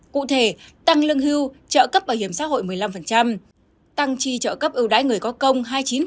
cụ thể tăng lương hưu trợ cấp bảo hiểm xã hội một mươi năm tăng chi trợ cấp ưu đãi người có công hai mươi chín